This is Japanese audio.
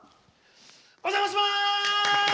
お邪魔します！